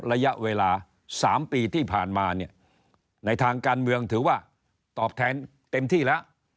ระยะเวลา๓ปีที่ผ่านมาเนี่ยในทางการเมืองถือว่าตอบแทนเต็มที่แล้ว